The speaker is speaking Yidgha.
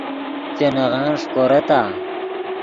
چے نغن ݰیکورتآ؟